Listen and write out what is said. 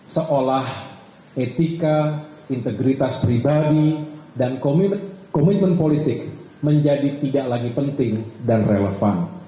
seolah etika integritas pribadi dan komitmen politik menjadi tidak lagi penting dan relevan